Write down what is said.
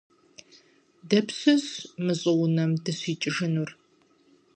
Дапщэщ мы щӀыунэм дыщикӀыжынур?